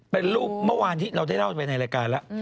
เป็นรูปเมื่อวานที่เราได้เล่าไปในรายการแล้ว